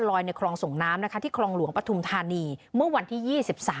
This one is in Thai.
ลอยในครองส่งน้ำที่ครองหลวงปทุมธานีเมื่อวันที่๒๓